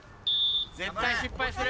絶対失敗する。